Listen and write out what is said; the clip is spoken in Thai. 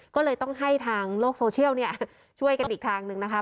ก็เลยต้องให้ทางโลกโซเชียลช่วยกันอีกทางหนึ่งนะคะ